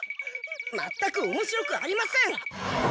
まったくおもしろくありません。